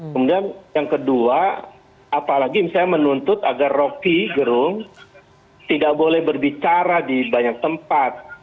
kemudian yang kedua apalagi saya menuntut agar rokigerung tidak boleh berbicara di banyak tempat